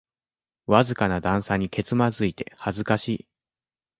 わずかな段差にけつまずいて恥ずかしい